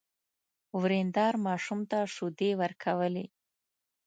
ورېندار ماشوم ته شيدې ورکولې.